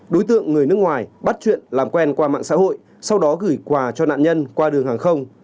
đối tượng người nước ngoài bắt chuyện làm quen qua mạng xã hội sau đó gửi quà cho nạn nhân qua đường hàng không